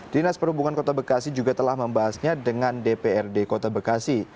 dinas perhubungan kota bekasi juga telah membahasnya dengan dprd kota bekasi